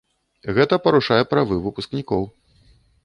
Гэта парушае правы выпускнікоў.